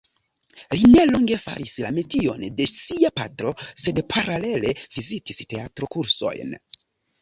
Li nelonge faris la metion de sia patro sed paralele vizitis teatro-kursojn.